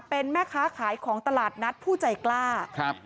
เป็นแม่ค้าขายของตลาดนัดผู้ใจกล้าครับ